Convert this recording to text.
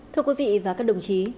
thưa quý vị và các đồng chí